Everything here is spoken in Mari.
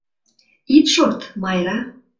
Ит шорт, Майра.